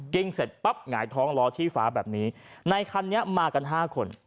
เสร็จปั๊บหงายท้องล้อชี้ฟ้าแบบนี้ในคันนี้มากันห้าคน